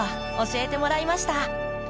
教えてもらいました。